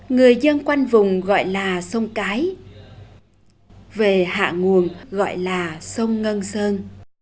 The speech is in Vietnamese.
người dân quanh vùng gọi là sông cái về hạ nguồn gọi là sông ngân sơn